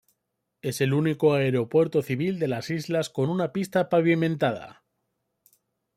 Es el único aeropuerto civil de las islas con una pista pavimentada.